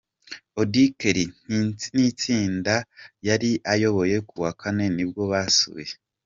Auddy Kelly nitsinda yari ayoboye ku wa Kane nibwo basuye.